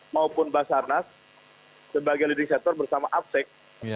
maupun basarnas sebagai ledisator bersama aptek